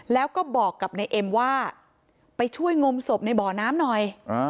แล้วก็บอกกับนายเอ็มว่าไปช่วยงมศพในบ่อน้ำหน่อย